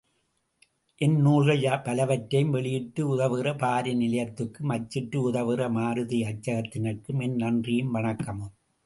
என் நூல்கள் பலவற்றையும் வெளியிட்டு உதவுகிற பாரி நிலையத்தாருக்கும், அச்சிட்டு உதவுகிற மாருதி அச்சகத்தினர்க்கும் என் நன்றியும், வணக்கமும்.